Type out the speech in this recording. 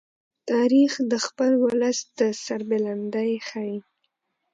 تاریخ د خپل ولس د سربلندۍ ښيي.